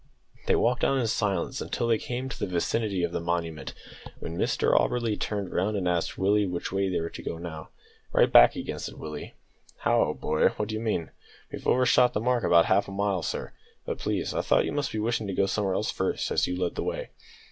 They walked on in silence until they came to the vicinity of the Monument, when Mr Auberly turned round and asked Willie which way they were to go now. "Right back again," said Willie. "How, boy; what do you mean?" "We've overshot the mark about half a mile, sir. But, please, I thought you must be wishin' to go somewhere else first, as you led the way."